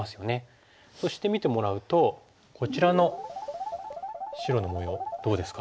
そして見てもらうとこちらの白の模様どうですか？